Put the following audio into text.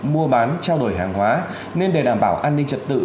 mua bán trao đổi hàng hóa nên để đảm bảo an ninh trật tự